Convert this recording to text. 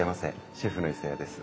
シェフの磯谷です。